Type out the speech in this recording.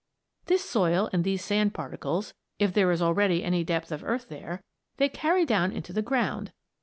This soil and these sand particles, if there is already any depth of earth there, they carry down into the ground.